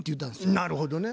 なるほどね。